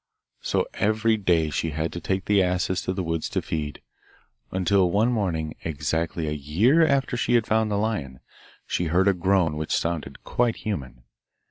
So every day she had to take the asses to the woods to feed, until one morning, exactly a year after she had found the lion, she heard a groan which sounded quite human.